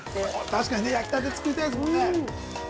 ◆確かにね、焼きたて作りたいですもんね。